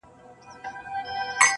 له دې سببه دی چي شپه ستایمه-